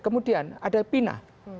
kemudian ada pina